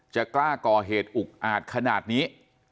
จะกล้าก่อเหตุอุกอาจขนาดนี้